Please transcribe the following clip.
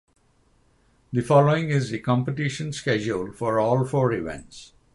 The following is the competition schedule for all four events.